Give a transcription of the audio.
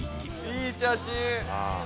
「いい写真！」